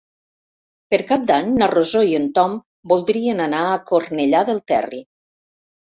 Per Cap d'Any na Rosó i en Tom voldrien anar a Cornellà del Terri.